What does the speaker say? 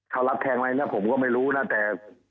เขารับแทงไหมนะผมก็ไม่รู้นะแต่